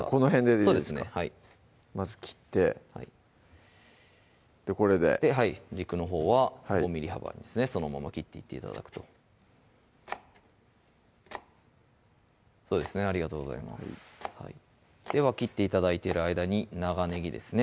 そうですねはいまず切ってこれで軸のほうは５ｍｍ幅にですねそのまま切っていって頂くとそうですねありがとうございますでは切って頂いている間に長ねぎですね